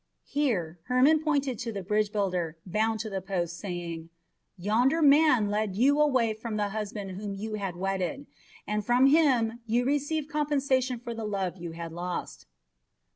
Here Hermon pointed to the bridge builder, bound to the post, saying, "Yonder man led you away from the husband whom you had wedded, and from him you received compensation for the love you had lost."